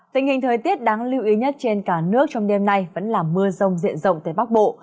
tình hình thời tiết đáng lưu ý nhất trên cả nước trong đêm nay vẫn là mưa rông diện rộng tới bắc bộ